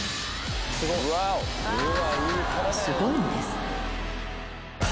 ［すごいんです］